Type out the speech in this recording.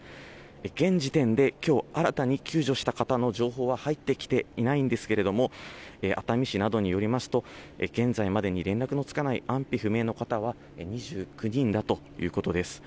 現時点で、きょう新たに救助した方の情報は入ってきていないんですけれども、熱海市などによりますと、現在までに連絡のつかない安否不明の方は２９人だということです。